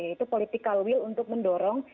yaitu political will untuk mendorong